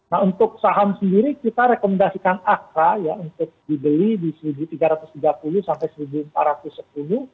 nah untuk saham sendiri kita rekomendasikan akra ya untuk dibeli di seribu tiga ratus tiga puluh sampai rp satu empat ratus sepuluh